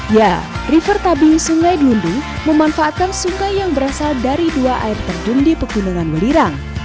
ya river tubing di sungai delundung memanfaatkan sungai yang berasal dari dua air terdun di pekunungan melirang